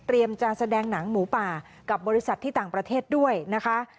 จะแสดงหนังหมูป่ากับบริษัทที่ต่างประเทศด้วยนะคะ